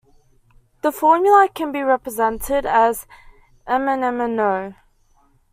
The formula can be represented as MnMnO.